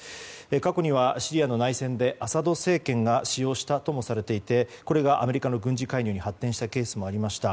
過去にはシリアの内戦でアサド政権が使用したともされていてこれがアメリカの軍事介入に発展したケースもありました。